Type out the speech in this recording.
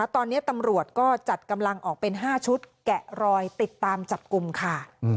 ตอนนี้ตำรวจก็จัดกำลังออกเป็น๕ชุดแกะรอยติดตามจับกลุ่มค่ะ